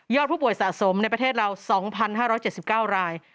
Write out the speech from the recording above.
ผู้ป่วยสะสมในประเทศเรา๒๕๗๙ราย